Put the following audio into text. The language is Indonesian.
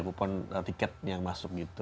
kupon tiket yang masuk gitu